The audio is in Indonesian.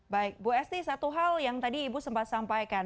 baik bu esti satu hal yang tadi ibu sempat sampaikan